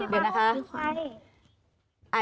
เดี๋ยวนะคะ